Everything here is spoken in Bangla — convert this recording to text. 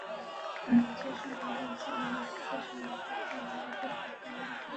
মাঝে শোনা গিয়েছিল, নিরাপত্তার শঙ্কায় হেলমটের ঢাকায় আসা বিলম্বিত হতে পারে আরও।